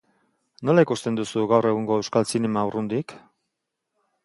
Nola ikusten duzu gaur egungo euskal zinema urrundik?